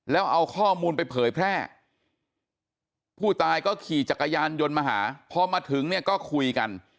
แล้วเอาข้อมูลไปเผยแพร่ผู้ตายก็ขี่จักรยานยนต์มาหาพอมาถึงเนี่ยก็คุยกัน